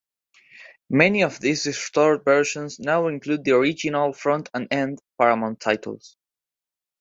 Many of these restored versions now include the original front-and-end Paramount titles.